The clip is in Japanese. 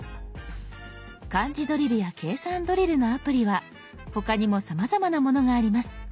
「漢字ドリル」や「計算ドリル」のアプリは他にもさまざまなものがあります。